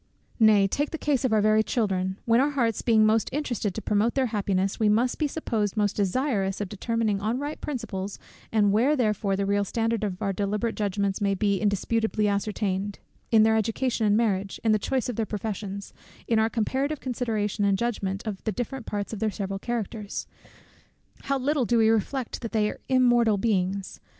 Nay, take the case of our very children, when our hearts being most interested to promote their happiness, we must be supposed most desirous of determining on right principles, and where therefore the real standard of our deliberate judgments may be indisputably ascertained: in their education and marriage, in the choice of their professions, in our comparative consideration and judgment of the different parts of their several characters, how little do we reflect that they are immortal beings!